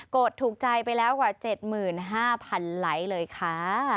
ดถูกใจไปแล้วกว่า๗๕๐๐๐ไลค์เลยค่ะ